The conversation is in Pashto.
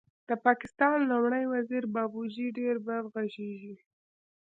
د پاکستان لومړی وزیر بابوجي ډېر بد غږېږي